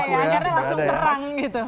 akhirnya langsung terang gitu